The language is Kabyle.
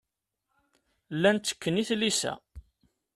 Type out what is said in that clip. Llan ttekken i tlisa.